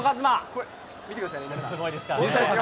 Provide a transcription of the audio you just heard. これ見てください、皆さん。